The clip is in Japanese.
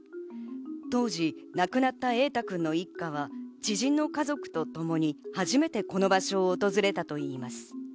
当時、亡くなった瑛大君の一家は知人の家族とともに初めてこの場所を訪れたといいます。